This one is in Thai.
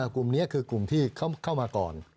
กลุ่มนี้คือกลุ่มที่เข้ามาก่อน